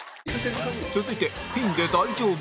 続いてピンで大丈夫？